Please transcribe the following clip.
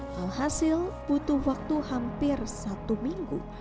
walhasil butuh waktu hampir satu minggu